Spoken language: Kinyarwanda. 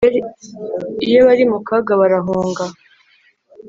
Iyo bari mu kaga barahunga